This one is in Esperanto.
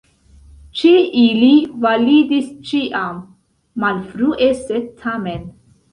Ĉe ili validis ĉiam: "malfrue, sed tamen".